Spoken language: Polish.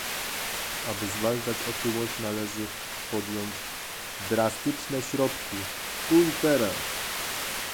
Aby zwalczać otyłość należy podjąć drastyczne środku tu i teraz